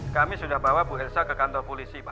kami sudah bawa bu elsa ke kantor polisi pak